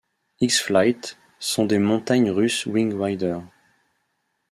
X-Flight sont des montagnes russes Wing Rider.